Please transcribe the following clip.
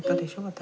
私。